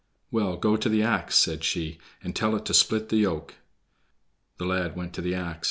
"Well, go to the ax," said she, "and tell it to split the yoke." The lad went to the ax.